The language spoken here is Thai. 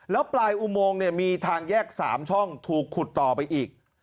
แล้วปลายอุโมงเนี่ยมีทางแยก๓ช่องถูกขุดต่อไปอีก